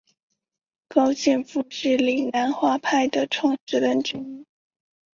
高剑父是岭南画派的创始人之一。